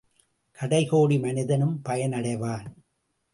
கடைகோடி மனிதனும் பயனடைவான்.